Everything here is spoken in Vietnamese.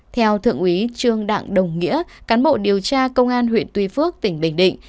theo thượng úy trương đặng đồng nghĩa cán bộ điều tra công an huyện tuy phước tỉnh bình định